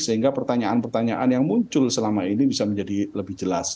sehingga pertanyaan pertanyaan yang muncul selama ini bisa menjadi lebih jelas